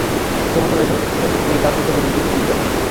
তথ্য মন্ত্রণালয় সবাইকে সচেতন করতে কাজ করবে বলে তিনি প্রতিশ্রুতি দেন।